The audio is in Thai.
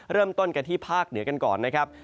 เริ่มต้นกันที่ภาคเหนือกันก่อนนะครับ